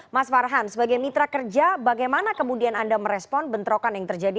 mas farhan sebagai mitra kerja bagaimana kemudian anda merespon bentrokan yang terjadi